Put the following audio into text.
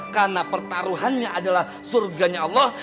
karena pertaruhannya adalah surganya allah